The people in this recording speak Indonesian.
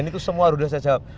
ini semua sudah saya jawab